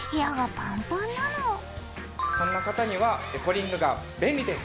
そんな方にはエコリングが便利です！